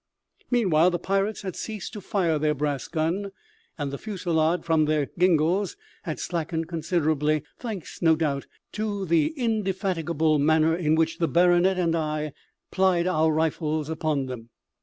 Meanwhile the pirates had ceased to fire their brass gun, and the fusillade from their gingals had slackened considerably, thanks, no doubt, to the indefatigable manner in which the baronet and I had plied our rifles upon them.